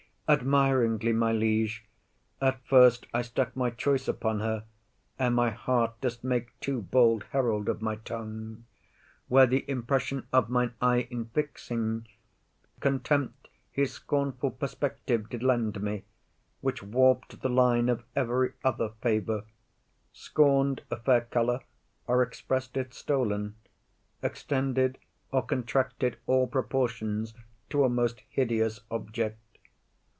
Admiringly, my liege. At first I stuck my choice upon her, ere my heart Durst make too bold herald of my tongue: Where the impression of mine eye infixing, Contempt his scornful perspective did lend me, Which warp'd the line of every other favour, Scorn'd a fair colour, or express'd it stolen, Extended or contracted all proportions To a most hideous object.